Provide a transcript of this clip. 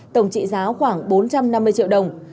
tổng trị giá khoảng bốn trăm năm mươi triệu đồng